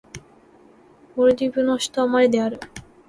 モルディブの首都はマレである